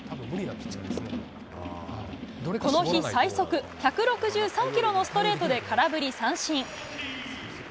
この日最速１６３キロのストレートで空振り三振。